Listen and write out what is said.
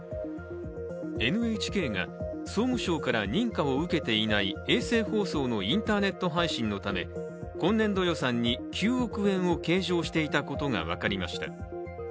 ＮＨＫが総務省から認可を受けていない衛星放送のインターネット配信のため今年度予算に９億円を計上していたことが分かりました。